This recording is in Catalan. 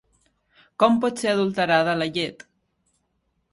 Com pot ser adulterada la llet?